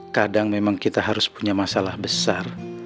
kadang memang kita harus punya masalah besar